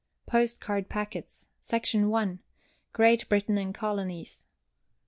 POST CARD PACKETS. _Section I. GREAT BRITAIN & COLONIES.